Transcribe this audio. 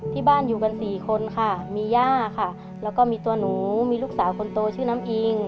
ที่บ้านอยู่กันสี่คนค่ะมีย่าค่ะแล้วก็มีตัวหนูมีลูกสาวคนโตชื่อน้ำอิง